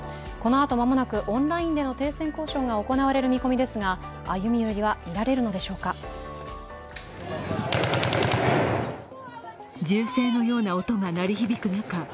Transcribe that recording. このあと間もなくオンラインでの停戦交渉が行われる見込みですが、歩み寄りは見られるのでしょうか。